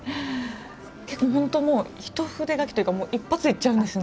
結構ホントもう一筆書きというか一発でいっちゃうんですね。